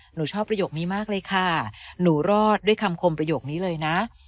หนูชอบประโยคนี้มากเลยค่ะหนูรอดด้วยคำคมประโยคนี้เลยนะ